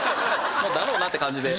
だろうなって感じで。